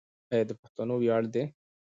دا د پښتنو ویاړ دی.